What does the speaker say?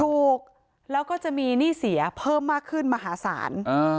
ถูกแล้วก็จะมีหนี้เสียเพิ่มมากขึ้นมหาศาล